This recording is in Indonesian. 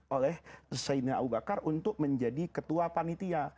oleh zaidina abu bakar untuk menjadi ketua panitia